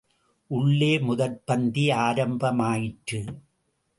உள்ளே முதற்பந்தி ஆரம்பாயிற்று.